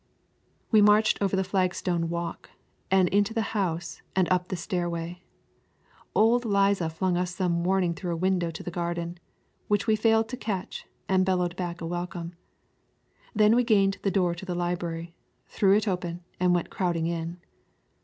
We marched over the flagstone walk and into the house and up the stairway. Old Liza flung us some warning through a window to the garden, which we failed to catch and bellowed back a welcome. Then we gained the door to the library, threw it open and went crowding in.